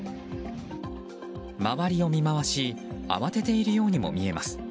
周りを見回し慌てているようにも見えます。